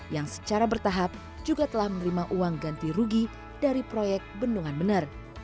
yang secara bertahap juga telah menerima uang ganti rugi dari proyek bendungan bener